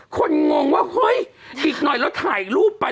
งงว่าเฮ้ยอีกหน่อยเราถ่ายรูปไป